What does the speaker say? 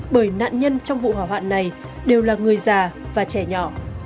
bởi nạn nhân trong vụ hỏa hoạn này đều là người già và trẻ nhỏ